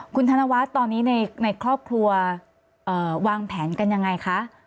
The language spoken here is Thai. คุณธนวัฒน์ตอนนี้ในครอบครัววางแผนกันยังไงคะ